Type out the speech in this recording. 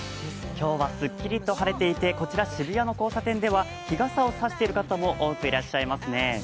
今日はすっきりと晴れていて渋谷の交差点では日傘をしている方もいらっしゃいますね。